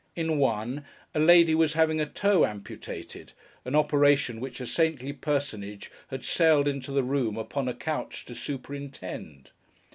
In one, a lady was having a toe amputated—an operation which a saintly personage had sailed into the room, upon a couch, to superintend.